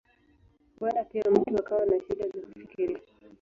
Huenda pia mtu akawa na shida za kufikiria.